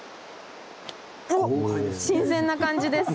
おっ新鮮な感じです。